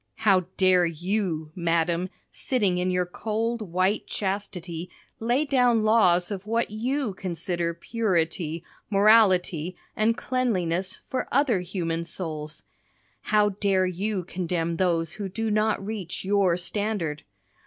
How dare you, madam, sitting in your cold, white chastity, lay down laws of what you consider purity, morality, and cleanliness, for other human souls? How dare you condemn those who do not reach your standard?